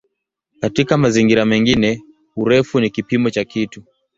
Katika mazingira mengine "urefu" ni kipimo cha kitu.